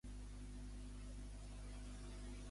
Aquests dos últims, a on va habitar?